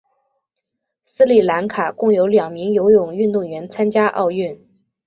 斯里兰卡共有两名游泳运动员参加奥运。